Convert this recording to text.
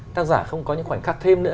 tác giả không có những khoảnh khắc thêm nữa